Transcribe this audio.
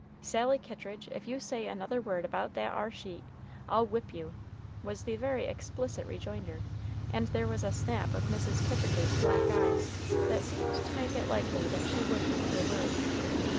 "Sally Kittridge, if you say another word about that ar sheet, I'll whip you," was the very explicit rejoinder; and there was a snap of Mrs. Kittridge's black eyes, that seemed to make it likely that she would keep her word.